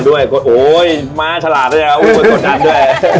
กลุ่มรูปมาด้วยโอ้โห้ยม้าฉลาดแล้วนะกดดันด้วย